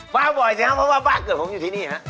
มาบ่อยสิครับเพราะว่าบ้านเกิดผมอยู่ที่นี่ฮะ